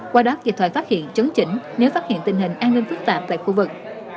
qua đó kịp thời phát hiện chấn chỉnh nếu phát hiện tình hình an ninh phức tạp tại khu vực